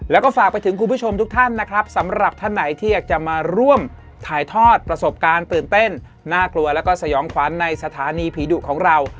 แล้วก็ฝากไปถึงคุณผู้ชมทุกท่านนะครับสำหรับท่านไหนที่อยากจะมาร่วมถ่ายทอดประสบการณ์ตื่นเต้นน่ากลัวแล้วก็สยองขวัญในสถานีผีดุของเรา